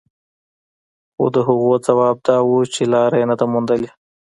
خو د هغوی ځواب دا و چې لاره يې نه ده موندلې.